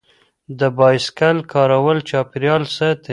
د بایسکل کارول چاپیریال ساتي.